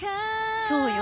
そうよ。